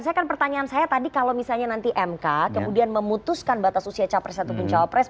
saya kan pertanyaan saya tadi kalau misalnya nanti mk kemudian memutuskan batas usia capres ataupun cawapres